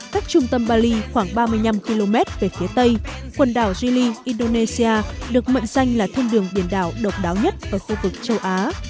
cách trung tâm bali khoảng ba mươi năm km về phía tây quần đảo jili indonesia được mệnh danh là thông đường biển đảo độc đáo nhất ở khu vực châu á